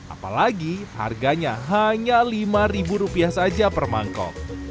apalagi harganya hanya lima rupiah saja per mangkok